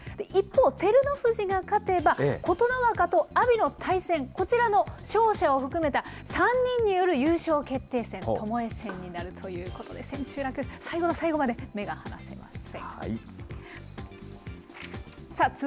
一方、照ノ富士が勝てば、琴ノ若と阿炎の対戦、こちらの勝者を含めた３人による優勝決定戦、ともえ戦になるということで、千秋楽、最後の最後まで目が離せません。